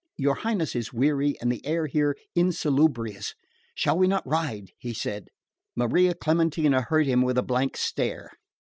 "Your Highness is weary and the air here insalubrious. Shall we not ride?" he said. Maria Clementina heard him with a blank stare.